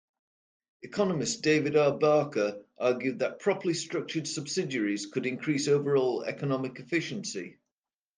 Economist David R. Barker argued that properly structured subsidies could increase overall economic efficiency.